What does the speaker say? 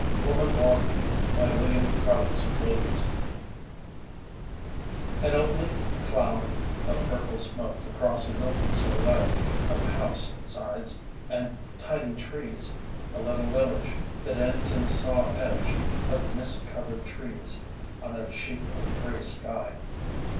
WOMAN WALKING An oblique cloud of purple smoke across a milky silhouette of house sides and tiny trees a little village that ends in a saw edge of mist covered trees on a sheet of grey sky.